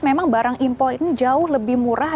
memang barang impor ini jauh lebih murah